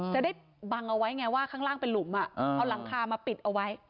ได้บังเอาไว้ไงว่าข้างล่างเป็นหลุมเอาหลังคามาปิดเอาไว้